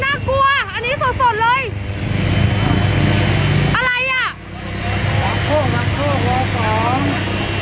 ล้างโค้งล้างโค้งล้างโค้ง